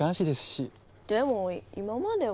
でも今までは。